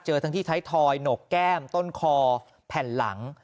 ทั้งที่ไทยทอยหนกแก้มต้นคอแผ่นหลัง